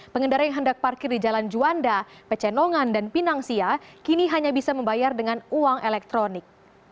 pengendara yang hendak parkir di jalan juanda pecenongan dan pinang sia kini hanya bisa membayar dengan uang elektronik